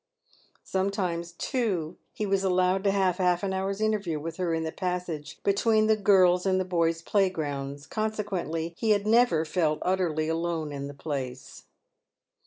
Sometimes, too, he was allowed to have half an hour's interview with her in the passage between the girls' and boys' playgrounds ; consequently, he had never felt utterly alone in the place.